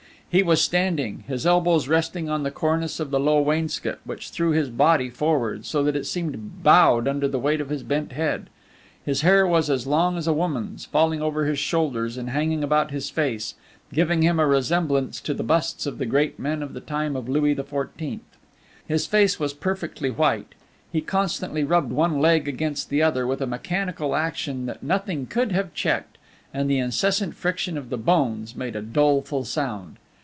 He was standing, his elbows resting on the cornice of the low wainscot, which threw his body forward, so that it seemed bowed under the weight of his bent head. His hair was as long as a woman's, falling over his shoulders and hanging about his face, giving him a resemblance to the busts of the great men of the time of Louis XIV. His face was perfectly white. He constantly rubbed one leg against the other, with a mechanical action that nothing could have checked, and the incessant friction of the bones made a doleful sound.